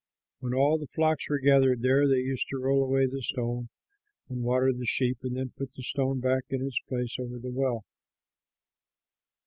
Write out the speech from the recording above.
When all the flocks were gathered there, they used to roll away the stone and water the sheep and then put the stone back in its place over the well.